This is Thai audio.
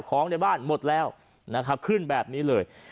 ของในบ้านหมดแล้วขึ้นแบบนี้เลย